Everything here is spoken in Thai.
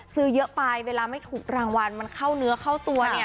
ซื้อเยอะไปเวลาไม่ถูกรางวัลมันเข้าเนื้อเข้าตัวเนี่ย